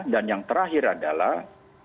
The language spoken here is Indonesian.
dan yang terakhir adalah